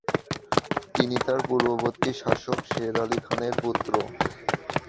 তিনি তার পূর্ববর্তী শাসক শের আলি খানের পুত্র।